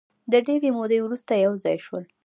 د ډېرې مودې وروسته یو ځای شول.